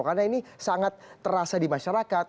karena ini sangat terasa di masyarakat